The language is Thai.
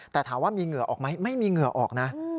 แต่ถามว่ามีเหงื่อออกไหมไม่มีเหงื่อออกนะ